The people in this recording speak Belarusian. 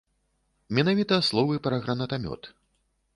Менавіта словы пра гранатамёт.